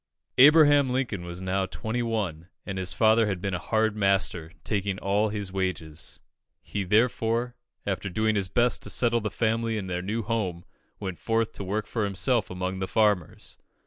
Abraham Lincoln was now twenty one, and his father had been a hard master, taking all his wages. He therefore, after doing his best to settle the family in their new home, went forth to work for himself among the farmers.